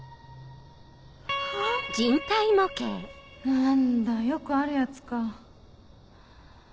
何だよくあるやつか。